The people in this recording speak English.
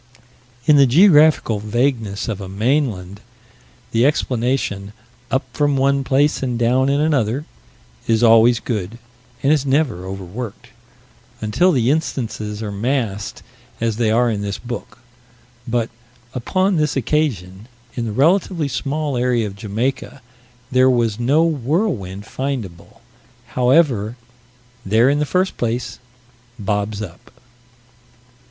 In the geographical vagueness of a mainland, the explanation "up from one place and down in another" is always good, and is never overworked, until the instances are massed as they are in this book: but, upon this occasion, in the relatively small area of Jamaica, there was no whirlwind findable however "there in the first place" bobs up.